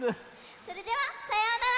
それではさようなら！